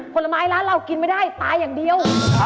ผลไม้ร้านเรากินไม่ได้ตายอย่างเดียว